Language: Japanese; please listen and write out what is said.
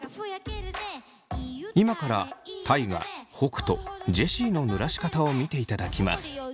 今から大我北斗ジェシーのぬらし方を見ていただきます。